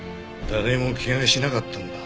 誰も怪我しなかったんだ。